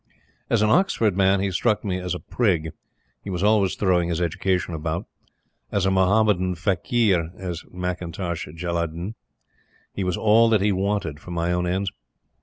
As an Oxford man, he struck me as a prig: he was always throwing his education about. As a Mahommedan faquir as McIntosh Jellaludin he was all that I wanted for my own ends.